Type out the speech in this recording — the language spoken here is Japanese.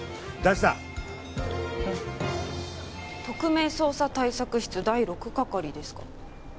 特命捜査対策室第６係ですか。